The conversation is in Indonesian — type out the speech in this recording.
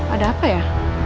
ada apa ya